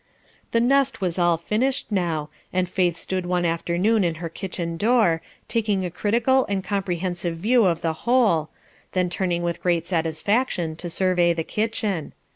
The nest was all finished now, and Faith stood one afternoon in her kitchen door, taking a critical and comprehensive view of the whole, then turning with great satisfaction to survey the kitchen.